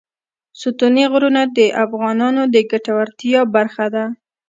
ستوني غرونه د افغانانو د ګټورتیا برخه ده.